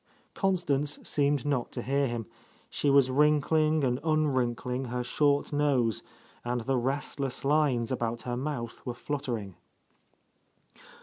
Constance seemed not to hear him. She was wrinkling and unwrinkling her short nose, and the restless lines about her mouth were fluttering.